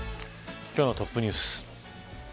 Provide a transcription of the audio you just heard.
今日のトップニュース。